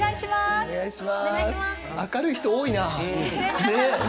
明るい人、多いな。